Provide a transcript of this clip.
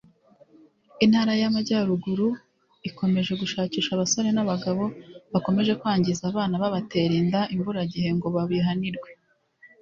Intara y’Amajyaruguru ikomeje gushakisha abasore n’abagabo bakomeje kwangiza abana babatera inda imburagihe ngo babihanirwe